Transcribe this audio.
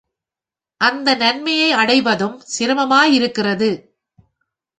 அந்த நன்மையை அடைவதும் சிரமமாயிருக்கிறது.